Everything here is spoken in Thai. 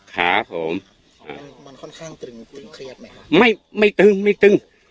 ครับผมมันค่อนข้างตึงตึงเครียดไหมครับไม่ไม่ตึงไม่ตึง